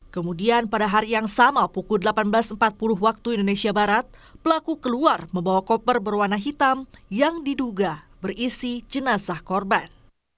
kemudian pada hari yang sama pukul delapan belas empat puluh waktu indonesia barat pelaku keluar membawa koper berwarna hitam yang diduga berisi jenazah korban